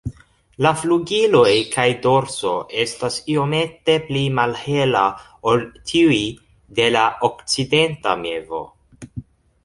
La flugiloj kaj dorso estas iomete pli malhela ol tiuj de la Okcidenta mevo.